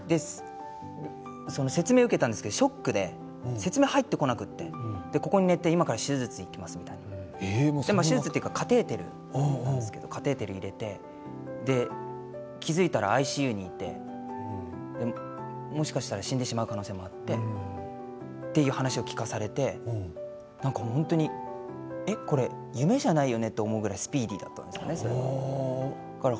その説明を受けたんですけれどもショックで説明が入ってこなくてここに寝て、今から手術に行きますって手術といってもカテーテルなんですけれどもカテーテルを入れて気付いたらＩＣＵにいてもしかしたら死んでしまう可能性もあってという話を聞かされてなんか本当にこれ夢じゃないよねというぐらいスピーディーだったんですよね、それが。